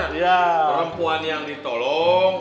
perempuan yang ditolong